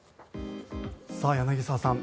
柳澤さん